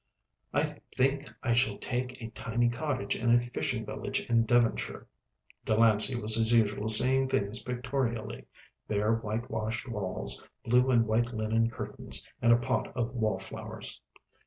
"I think I shall take a tiny cottage in a fishing village in Devonshire," Delancey was as usual seeing things pictorially bare white washed walls, blue and white linen curtains and a pot of wall flowers.